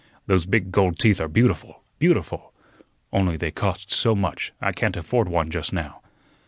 Those big gold teeth are beautiful, beautiful only they cost so much, I can't afford one just now."